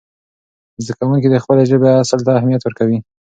زده کوونکي د خپلې ژبې اصل ته اهمیت ورکوي.